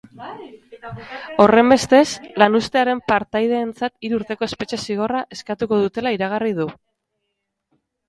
Horrenbestez, lanuztearen partaideentzat hiru urteko espetxe zigorra eskatuko dutela iragarri du.